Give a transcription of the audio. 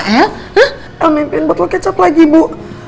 el mimpiin botol kecap lagi ibu